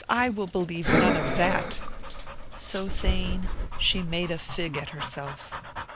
I will believe none of that!" So saying, she made a fig at herself.